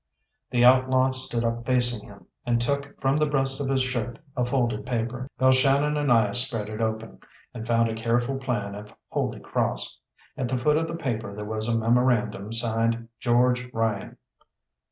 The outlaw stood up facing him, and took from the breast of his shirt a folded paper. Balshannon and I spread it open, and found a careful plan of Holy Cross. At the foot of the paper there was a memorandum signed "George Ryan."